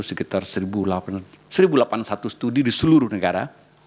sekitar seribu delapan puluh satu studi di seluruh negara